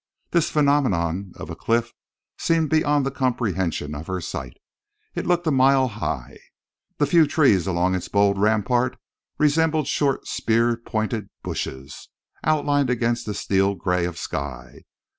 This phenomenon of a cliff seemed beyond the comprehension of her sight. It looked a mile high. The few trees along its bold rampart resembled short spear pointed bushes outlined against the steel gray of sky.